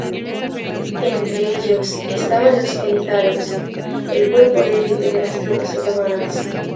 Entre ellos estaban los jenízaros, el cuerpo de elite de las tropas otomanas.